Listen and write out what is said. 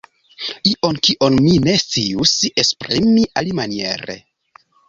Ion, kion mi ne scius esprimi alimaniere.